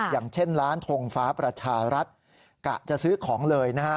อย่างเช่นร้านทงฟ้าประชารัฐกะจะซื้อของเลยนะฮะ